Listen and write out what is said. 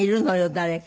誰か。